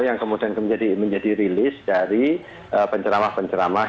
yang kemudian menjadi rilis dari penceramah penceramah